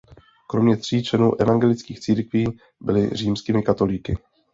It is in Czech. Kromě tří členů evangelických církvi byli římskými katolíky.